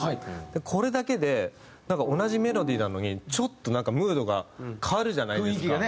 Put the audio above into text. これだけでなんか同じメロディーなのにちょっとなんかムードが変わるじゃないですか。